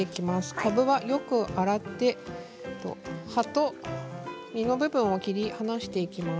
かぶはよく洗って葉と実の部分を切り離していきます。